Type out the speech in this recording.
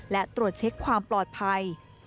และตรวจเช็คความปลอดภัย